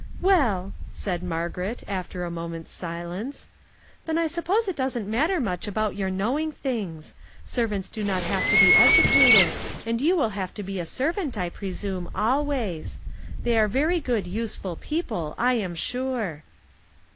" Well," said Margaret, after a moment's si lence, " then I suppose it doesn't matter much about your knowing things. Servants do not have to be educated, and you will have to be a servant, I presume, always. They are very good, useful people, I am sure."